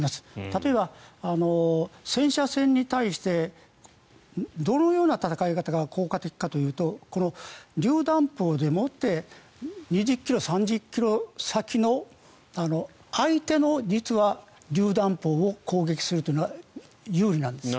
例えば戦車戦に対してどのような戦い方が効果的かというとこのりゅう弾砲でもって２０ｋｍ、３０ｋｍ先の相手の実はりゅう弾砲を攻撃するというのは有利なんです。